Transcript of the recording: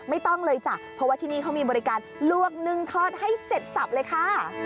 ไม่ต้องเลยจ้ะเพราะว่าที่นี่เขามีบริการลวกนึ่งทอดให้เสร็จสับเลยค่ะ